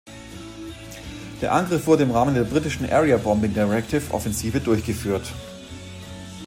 Der Angriff wurde im Rahmen der britischen Area-Bombing-Directive-Offensive durchgeführt.